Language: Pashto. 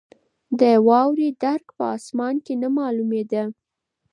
د واورې درک په اسمان کې نه معلومېده.